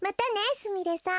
すみれさん。